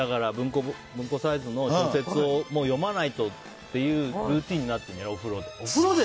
文庫サイズの小説を読まないとっていうルーティンになってる、お風呂で。